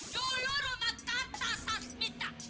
dulu rumah kartasasmita